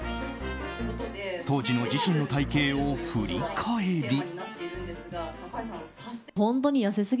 当時の自身の体形を振り返り。